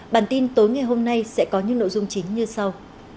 bản tin tối ngày hôm nay sẽ có những nội dung chính như sau